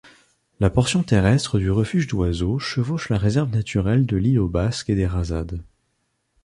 La portion terrestre du refuge d'oiseaux chevauche la réserve naturelle de l'Île-aux-Basques-et-des-Razades.